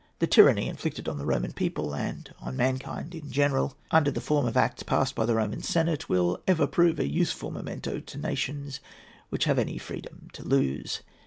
The tyranny inflicted on the Roman people, and on mankind in general, under the form of acts passed by the Roman senate, will ever prove a useful memento to nations which have any freedom to lose.